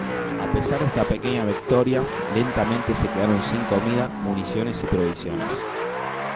A pesar de esta pequeña victoria, lentamente se quedaron sin comida, municiones y provisiones.